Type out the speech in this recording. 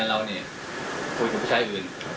ทีเดียวตามมาแล้ว